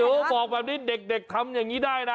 ไหนดูบอกดันแบบนี้ดั่งเด็กทำอย่างนี้ได้นะ